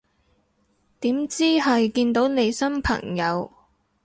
點知係見到你新朋友